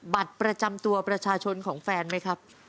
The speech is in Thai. บัตรประจำตัวประชาชนของแฟนไหมครับ